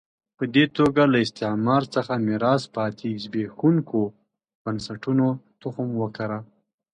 په دې توګه له استعمار څخه میراث پاتې زبېښونکو بنسټونو تخم وکره.